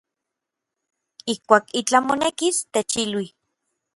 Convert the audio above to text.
Ijkuak itlaj monekis, techilui.